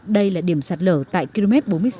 đây là điểm sạt lở tại km bốn mươi sáu